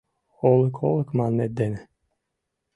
Олык-олык манмет дене